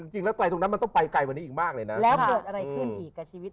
จริงแล้วไกลตรงนั้นมันต้องไปไกลกว่านี้อีกมากเลยนะแล้วเกิดอะไรขึ้นอีกกับชีวิต